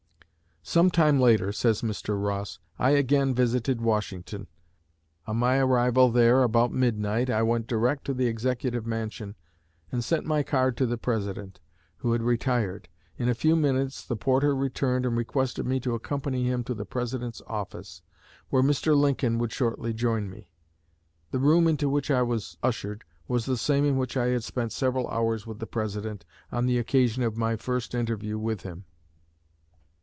"Some time later," says Mr. Ross, "I again visited Washington. On my arrival there (about midnight) I went direct to the Executive Mansion, and sent my card to the President, who had retired. In a few minutes the porter returned and requested me to accompany him to the President's office, where Mr. Lincoln would shortly join me. The room into which I was ushered was the same in which I had spent several hours with the President on the occasion of my first interview with him.